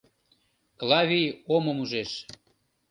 Клавий омым ужеш.